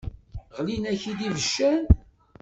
Ɣlin-ak-id ibeccan.